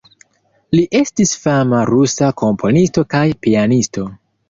Li estis fama rusa komponisto kaj pianisto.